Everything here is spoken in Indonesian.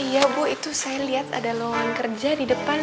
iya bu itu saya lihat ada loang kerja di depan